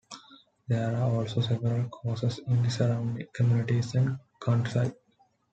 There are also several courses in the surrounding communities and countryside.